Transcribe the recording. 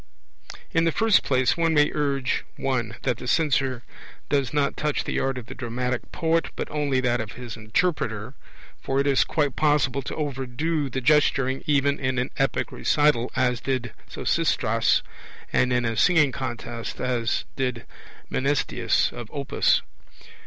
In the first place, one may urge (1) that the censure does not touch the art of the dramatic poet, but only that of his interpreter; for it is quite possible to overdo the gesturing even in an epic recital, as did Sosistratus, and in a singing contest, as did Mnasitheus of Opus.